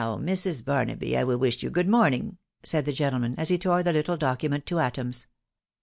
S6l ' Now, Mrs. Barnaby, I will wish you good morning," said the gentleman, as he tore the little document to atoms.